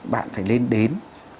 bạn phải lên đến